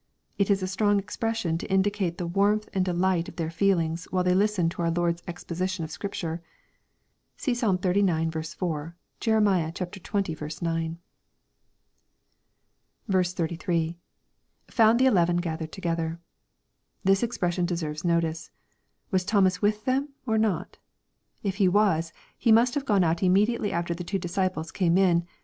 It is a strong expression to indicate the warmth and delight of their feelings while they listened to our Lord's exposition of Scripture. See Psalm xxxix. 4 ; Jerem. xx. 9. 33. — [JFbund the eleven gathered together^ This expression deserves notice. Was Thomas with them or not ? If he was, he must have gone out immediately after the two disciples came in.